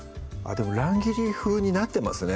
でも乱切り風になってますね